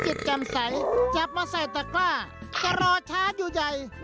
เป็นนิตจิตจำใสจับมาใส่ตะกล้าจะรอช้าอยู่ใหญ่